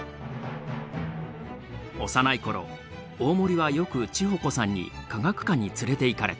幼い頃大森はよく智穂子さんに科学館に連れていかれた。